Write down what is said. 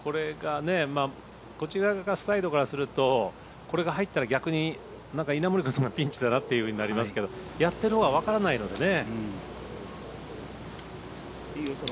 こっちサイドからするとこれが入ったら逆に稲森君がピンチだなってなりますけどやってるほうはわからないのでね。